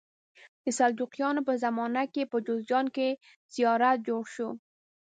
د سلجوقیانو په زمانه کې په جوزجان کې زیارت جوړ شو.